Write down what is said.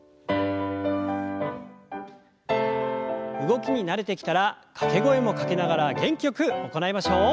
動きに慣れてきたら掛け声もかけながら元気よく行いましょう。